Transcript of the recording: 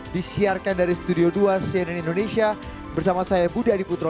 disiarkan dari studio dua cnn indonesia bersama saya budi adiputro